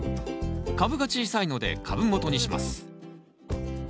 株が小さいので株元にします。